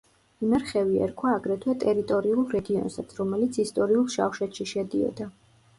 იმერხევი ერქვა აგრეთვე ტერიტორიულ რეგიონსაც, რომელიც ისტორიულ შავშეთში შედიოდა.